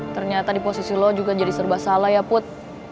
ternyata di posisi lo juga jadi serba salah ya put